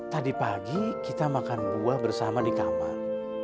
tadi pagi kita makan buah bersama di kamar